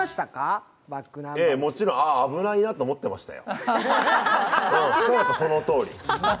もちろん危ないなと思ってましたよ。